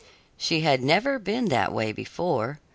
She had never been that way before.